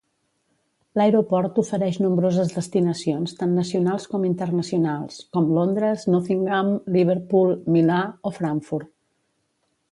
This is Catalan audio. L'Aeroport ofereix nombroses destinacions tant nacionals com internacionals, com Londres, Nottingham, Liverpool, Milà o Frankfurt.